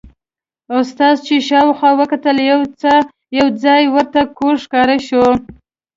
استازي چې شاوخوا وکتل یو ځای ورته کوږ ښکاره شو.